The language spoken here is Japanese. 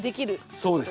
そうです。